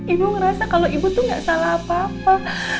ibu ngerasa kalau ibu tuh gak salah apa apa